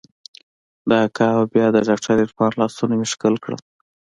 د اکا او بيا د ډاکتر عرفان لاسونه مې ښکل کړل.